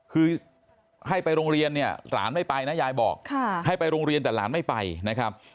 คือให้ไปโรงเรียนเนี่ยหลานไม่ไปนะยายบอกให้ไปโรงเรียนแต่หลานไม่ไปนะครับ